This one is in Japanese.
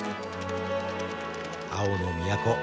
青の都